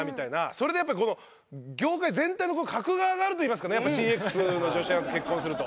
それでこのギョーカイ全体の格が上がるといいますかねＣＸの女子アナと結婚すると。